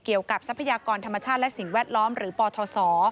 ทรัพยากรธรรมชาติและสิ่งแวดล้อมหรือปทศ